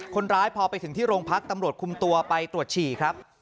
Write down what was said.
พอไปถึงที่โรงพักตำรวจคุมตัวไปตรวจฉี่ครับ